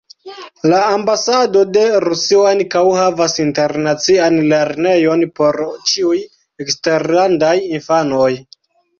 La ambasado de Rusio ankaŭ havas internacian lernejon por ĉiuj eksterlandaj infanoj.